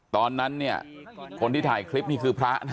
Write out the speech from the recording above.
ตอนนั้นเนี่ยคนที่ถ่ายคลิปนี่คือพระนะ